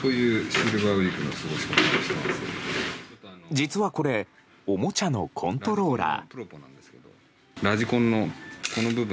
実はこれおもちゃのコントローラー。